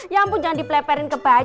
ya ampun jangan dipeperin kebacoran